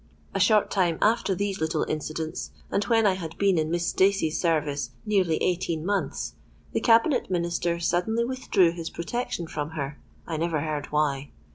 "A short time after these little incidents, and when I had been in Miss Stacey's service nearly eighteen months, the Cabinet Minister suddenly withdrew his protection from her—I never heard why.